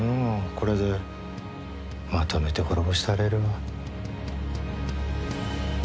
これでまとめて滅ぼしたれるわ。